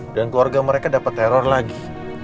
dan keluarga mereka dapet teror lagi